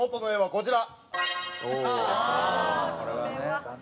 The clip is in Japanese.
こちら！